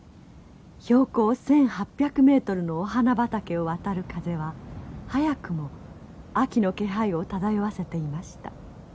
標高１，８００メートルのお花畑を渡る風は早くも秋の気配を漂わせていました。